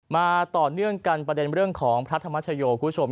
มาต่อเนื่องกันประเด็นเรื่องของพระธรรมชโยคุณผู้ชม